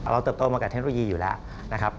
เติบโตมากับเทคโนโลยีอยู่แล้วนะครับ